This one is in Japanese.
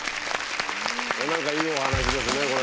いいお話ですね。